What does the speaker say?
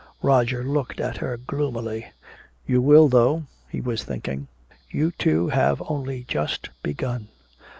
Roger looked at her gloomily. "You will, though," he was thinking. "You two have only just begun.